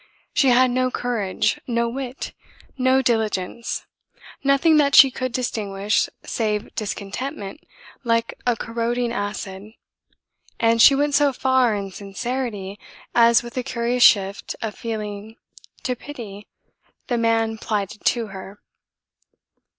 She had no courage, no wit, no diligence, nothing that she could distinguish save discontentment like a corroding acid, and she went so far in sincerity as with a curious shift of feeling to pity the man plighted to her.